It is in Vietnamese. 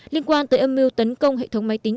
liên quan tới âm mưu tấn công hệ thống máy tính